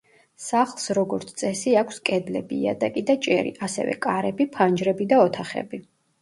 სახლს როგორც წესი აქვს კედლები, იატაკი და ჭერი, ასევე კარები, ფანჯრები და ოთახები.